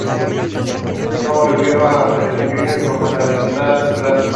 Hasta no hace tantos años, la emulación en tales situaciones era considerada impracticable.